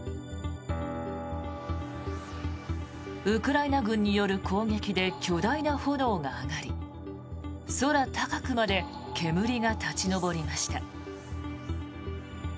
ウクライナ軍による攻撃で巨大な炎が上がり空高くまで煙が立ち上りました。